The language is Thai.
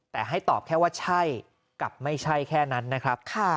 แต่ให้ตอบแค่ว่าใช่กับไม่ใช่แค่นั้นนะครับ